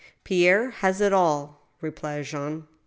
" Pierre has it all !" replied Jean.